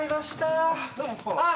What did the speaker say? あっ。